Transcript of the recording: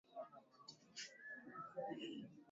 miguu ya nyuma